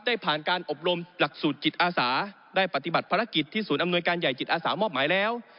ได้ผ่านการอบรมหลักสูตรจิตอาสาได้ปฏิบัติภารกิจที่ศูนย์อำนวยการใหญ่จิตอาสามอบหมายแล้ว